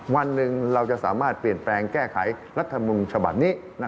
วันหนึ่งเราจะสามารถเปลี่ยนแปลงแก้ไขรัฐมนุนฉบับนี้